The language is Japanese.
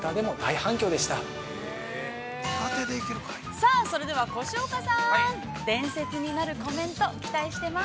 ◆さあ、それでは越岡さん、伝説になるコメント期待してます。